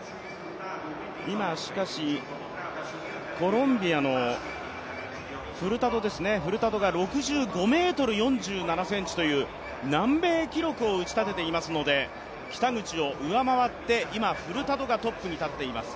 今、しかしコロンビアのフルタドが６５ｍ４７ｃｍという南米記録を打ちたてていますので、北口を上回って、今、フルタドがトップに立っています。